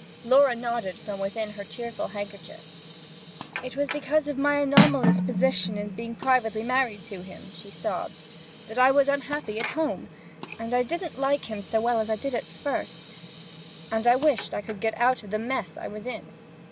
Laura nodded from within her tearful handkerchief. 'It was because of my anomalous position in being privately married to him,' she sobbed, 'that I was unhappy at home and and I didn't like him so well as I did at first and I wished I could get out of the mess I was in!